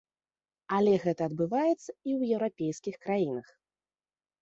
Але гэта адбываецца і ў еўрапейскіх краінах.